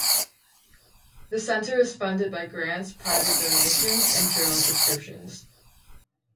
The Center is funded by grants, private donations, and journal subscriptions.